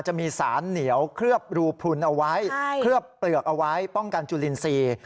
จะมีสารเหนียวเคลือบรูพลุนเอาไว้เคลือบเปลือกเอาไว้ป้องกันจุลินทรีย์